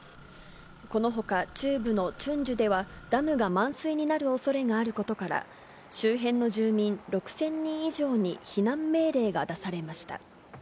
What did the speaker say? このほか中部のチュンジュではダムが満水になるおそれがあることから、周辺の住民６０００人以上に避難命令が出されました。